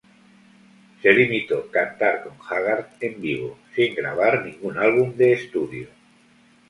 Se limitó cantar con Haggard en vivo, sin grabar ningún álbum de estudio.